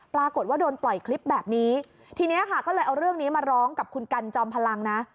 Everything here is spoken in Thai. ปรากฏว่าโดนปล่อยคลิปแบบนี้ทีนี้ค่ะก็เลยเอาเรื่องนี้มาร้องกับคุณกันจอมพลังนะ